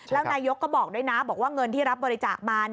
แล้วนายกก็บอกด้วยนะบอกว่าเงินที่รับบริจาคมา